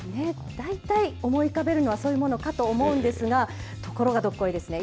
だいたい思い浮かべるのはそういうものかと思いますがところがどっこいですね